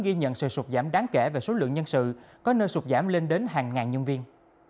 ghi nhận sự sụt giảm đáng kể về số lượng nhân sự có nơi sụt giảm lên đến hàng ngàn nhân viên